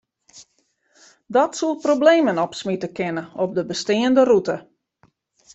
Dat soe problemen opsmite kinne op de besteande rûte.